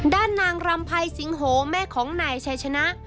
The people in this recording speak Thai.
ด้านนางรำไพสิงโฮแม่ของหน่ายชัยชนะ